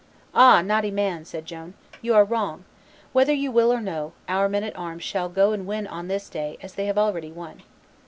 "Ah! naughty man," said Joan, "you are wrong; whether you will or no, our men at arms shall go and win on this day as they have already won."